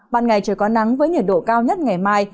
ban ngày trời có nắng với nhiệt độ cao nhất ngày mai